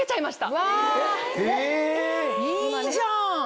うわいいじゃん！